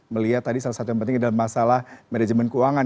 melihat tadi salah satu yang penting adalah masalah manajemen keuangan